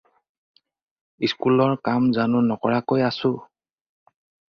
স্কুলৰ কাম জানো নকৰাকৈ আছোঁ!